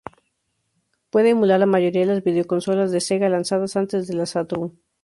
Puede emular la mayoría las videoconsolas de Sega lanzadas antes de la Saturn.